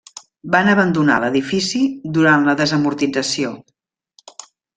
Van abandonar l'edifici durant la desamortització.